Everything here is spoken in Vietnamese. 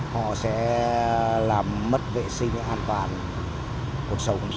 họ sẽ làm mất vệ sinh an toàn cuộc sống